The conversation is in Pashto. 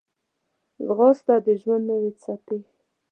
ځغاسته د ژوند د نوې څپې